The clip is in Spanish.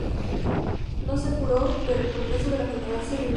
No se curó, pero el progreso de la enfermedad se ralentizó.